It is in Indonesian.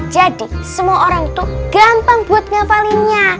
jadi semua orang tuh gampang buat ngapalinnya